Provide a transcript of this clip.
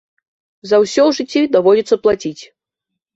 За ўсё ў жыцці даводзіцца плаціць.